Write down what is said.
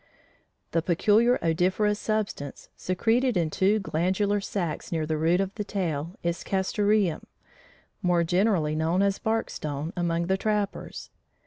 The peculiar odoriferous substance, secreted in two glandular sacs near the root of the tail, is "castoreum," more generally known as "bark stone" among the trappers.